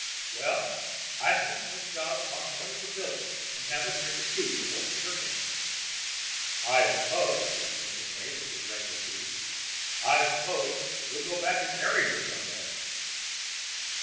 Well, I think we'll shove on one of the billies, and have a drink of tea before we turn in." "I suppose," said Mitchell's mate, as they drank their tea, "I suppose you'll go back and marry her some day?"